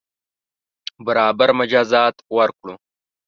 برابر مجازات ورکړو.